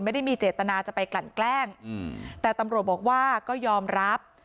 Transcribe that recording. ไม่ได้มีเจตนาจะไปกลั่นแกล้งแต่ตำรวจบอกว่าก็ยอมรับ